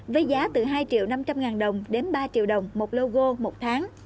với giá từ hai triệu năm trăm linh ngàn đồng đến ba triệu đồng một kg một tháng